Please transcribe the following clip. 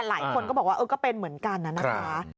หลายคนก็บอกว่าเออก็เป็นเหมือนกันนะคะ